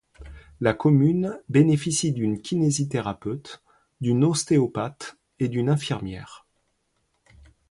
La commune bénéficie d'une kinésithérapeute, d'une ostéopathe et d'une infirmière.